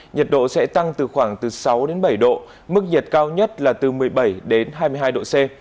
nhiệt độ sẽ tăng từ khoảng sáu bảy độ mức nhiệt cao nhất là từ một mươi bảy hai mươi hai độ c